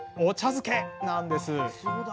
漬けなんです。